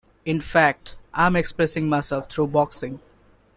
In fact, I am expressing myself through boxing.